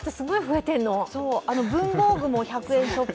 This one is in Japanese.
文房具も１００円ショップ